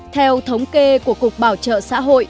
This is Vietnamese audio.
theo thống kê của cục bảo trợ xã hội